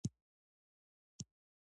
بيا وايي: